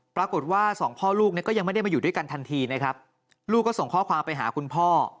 ปรากฏว่าสองพ่อลูกเนี่ยก็ยังไม่ได้มาอยู่ด้วยกันทันทีนะครับลูกก็ส่งข้อความไปหาคุณพ่อ